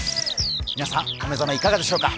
皆さん、お目覚めいかがでしょうか